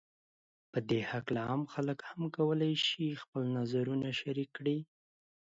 په دې هکله عام خلک هم کولای شي خپل نظرونو شریک کړي